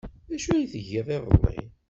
D acu ay tgiḍ iḍelli?